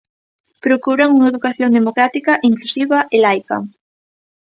"Procuran unha educación democrática, inclusiva e laica".